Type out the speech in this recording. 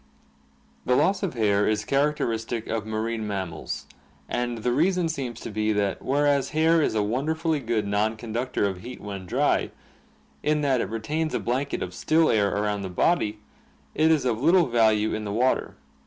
The loss of hair is characteristic of marine mammals, and the reason seems to be that whereas hair is a wonderfully good non conductor of heat when dry, in that it retains a blanket of still air around the body, it is of little value in the water.